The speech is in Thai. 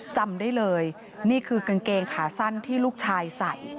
จำได้เลยนี่คือกางเกงขาสั้นที่ลูกชายใส่